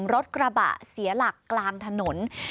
รถกระบะเสียหลักกลางถนน